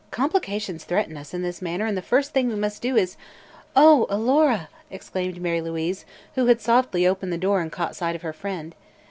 Complications threaten us in this matter and the first thing we must do is " "Oh, Alora!" exclaimed Mary Louise, who had softly opened the door and caught sight of her friend.